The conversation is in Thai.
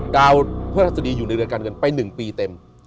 ดาวพระราชดีอยู่ในเรือนการเงินไป๑ปีเต็ม